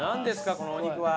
このお肉は。